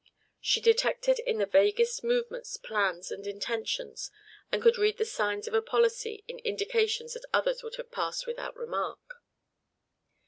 She detected in the vaguest movements plans and intentions, and could read the signs of a policy in indications that others would have passed without remark.